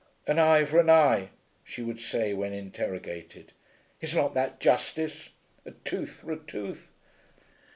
"An eye for an eye," she would say when interrogated, "Is not that justice? A tooth for a tooth!"